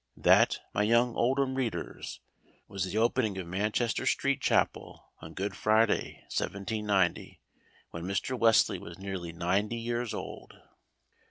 That, my young Oldham readers, was the opening of Manchester St. Chapel on Good Friday, 1790, when Mr. Wesley was nearly ninety years old.